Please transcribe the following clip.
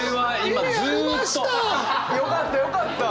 よかったよかった！